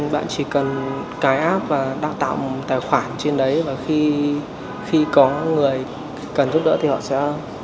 bạn chỉ cần cái app và đào tạo tài khoản trên đấy và khi có người cần giúp đỡ thì họ sẽ